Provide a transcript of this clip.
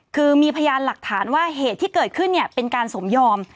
คือมีพยานหลักฐานว่าเหตุที่เกิดขึ้นเป็นการสมยอม